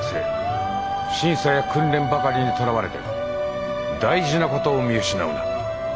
審査や訓練ばかりにとらわれて大事なことを見失うな。